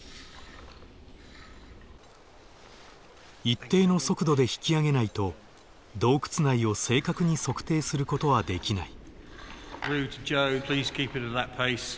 一定の速度で引き上げないと洞窟内を正確に測定することはできない。